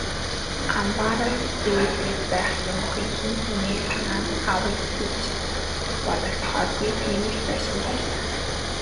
Амбаараас дээрдээд байх юмгүй, хэн хүний санаанд авъя гэж бодогдохооргүй тийм л байшин байлаа.